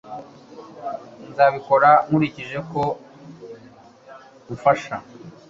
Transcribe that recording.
Nzabikora nkurikije ko umfasha